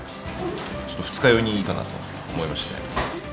ちょっと二日酔いにいいかなと思いまして。